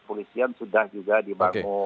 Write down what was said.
polisian sudah juga dibangun